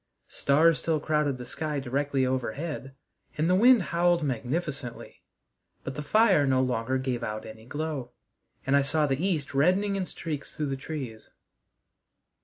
Stars still crowded the sky directly overhead, and the wind howled magnificently, but the fire no longer gave out any glow, and I saw the east reddening in streaks through the trees.